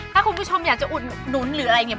ถ้าคุณผู้ชมอยากจะอุดหนุนหรืออะไร